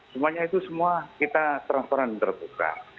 semuanya itu semua kita transparan dan terbuka